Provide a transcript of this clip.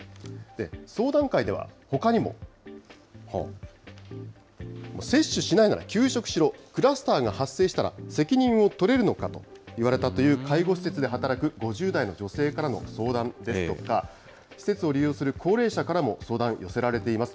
相談会では、ほかにも接種しないなら休職しろ、クラスターが発生したら責任を取れるのかと言われたという介護施設で働く５０代の女性からの相談ですとか、施設を利用する高齢者からも相談、寄せられています。